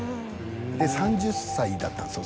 で３０歳だったんですよ